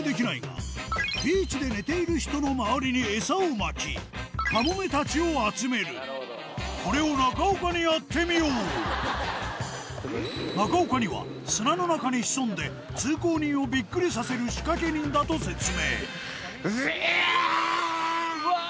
まずはそれはこれを中岡にやってみよう中岡には砂の中に潜んで通行人をびっくりさせる仕掛け人だと説明うわぁ！